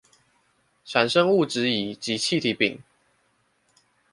產生物質乙及氣體丙